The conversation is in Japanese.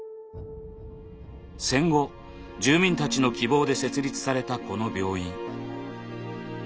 戦後住民たちの希望で設立されたこの病院。